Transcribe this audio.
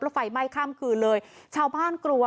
แล้วไฟไหม้ข้ามคืนเลยชาวบ้านกลัว